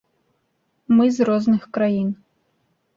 Мы з розных краін.